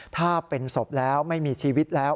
ถ้าเป็นศพแล้วไม่มีชีวิตแล้ว